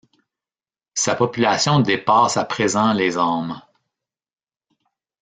Sa population dépasse à présent les âmes.